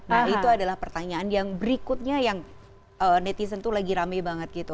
nah itu adalah pertanyaan yang berikutnya yang netizen tuh lagi rame banget gitu